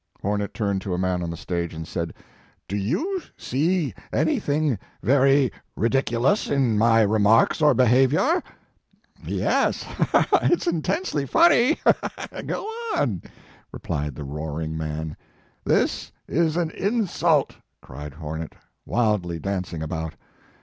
Hornet turned to a man on the stage, and said: "Do you see anything very ridiculous in my remarks or behavior?" "Yes, ha, ha ! It s intensely funny ha, ha, ha ! Go on !" replied the roaring man. This is an insult," cried Hornet, wildly danc ing about.